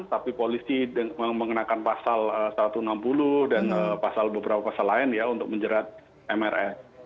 tapi polisi mengenakan pasal satu ratus enam puluh dan pasal beberapa pasal lain ya untuk menjerat mrs